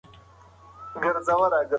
زړه سوانده اوسئ.